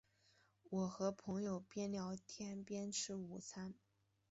我和朋友边聊天边吃午餐